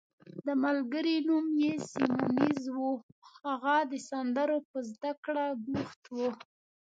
د ملګري نوم یې سیمونز وو، هغه د سندرو په زده کړه بوخت وو.